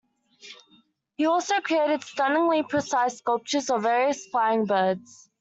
He also created stunningly precise sculptures of various flying birds.